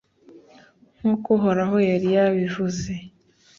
nk’uko uhoraho yari yabivuze.